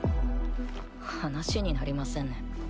話になりませんね。